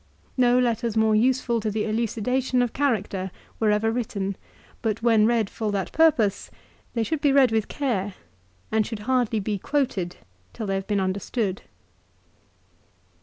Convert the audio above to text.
No letters more useful to the elucidation of character were ever written; but when read for that purpose they should be read with care, and should hardly be quoted till they have been understood.